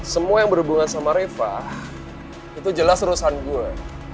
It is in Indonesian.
semua yang berhubungan sama riva itu jelas urusan gue